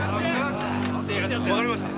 わかりました。